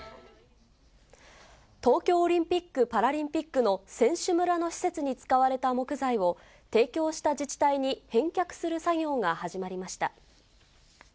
東京オリンピック・パラリンピックの選手村の施設に使われた木材を、提供した自治体に返却する作業が始まりました。